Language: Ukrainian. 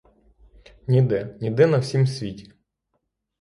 Ніде, ніде на всім світі.